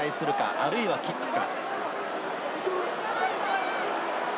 あるいはキックか。